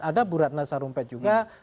ada burat nasarumpet juga